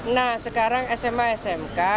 nah sekarang sma smk